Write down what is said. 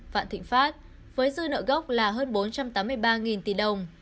vạn thịnh pháp với dư nợ gốc là hơn bốn trăm tám mươi ba tỷ đồng